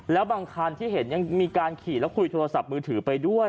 แล้วบางคันที่เห็นยังมีการขี่แล้วคุยโทรศัพท์มือถือไปด้วย